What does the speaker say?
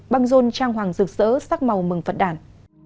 băng rôn trang hoàng rực rỡ sắc màu mừng phật đàn